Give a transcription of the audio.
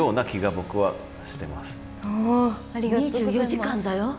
２４時間だよ。